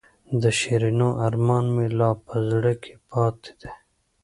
د شیرینو ارمان مې لا په زړه کې پاتې دی.